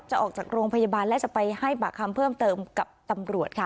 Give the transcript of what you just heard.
ออกจากโรงพยาบาลและจะไปให้ปากคำเพิ่มเติมกับตำรวจค่ะ